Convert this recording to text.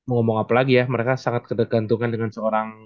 ngomong apalagi ya mereka sangat tergantungan dengan seorang